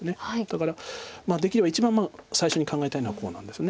だからできれば一番最初に考えたいのはこうなんです。